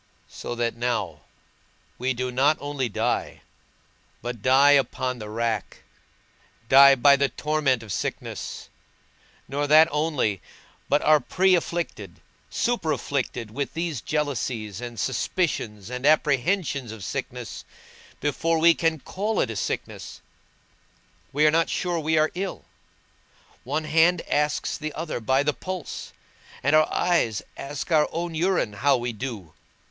So that now, we do not only die, but die upon the rack, die by the torment of sickness; nor that only, but are pre afflicted, super afflicted with these jealousies and suspicions and apprehensions of sickness, before we can call it a sickness: we are not sure we are ill; one hand asks the other by the pulse, and our eye asks our own urine how we do.